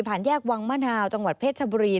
แยกวังมะนาวจังหวัดเพชรชบุรี